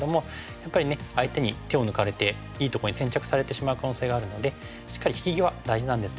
やっぱりね相手に手を抜かれていいところに先着されてしまう可能性があるのでしっかり引き際大事なんですけれども。